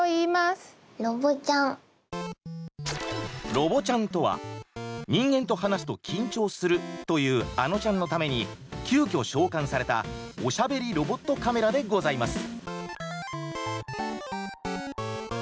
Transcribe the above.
「ろぼちゃん」とは人間と話すと緊張するというあのちゃんのために急きょ召喚されたおしゃべりロボットカメラでございます。